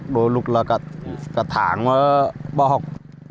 đôi lúc là cả tháng bỏ học